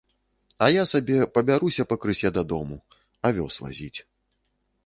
А я сабе пабяруся пакрысе дадому, авёс вазіць.